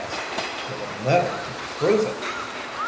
F., with a medal to prove it!"